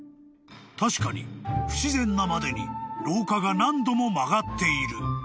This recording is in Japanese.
［確かに不自然なまでに廊下が何度も曲がっている］